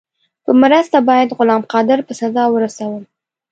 په مرسته باید غلام قادر په سزا ورسوم.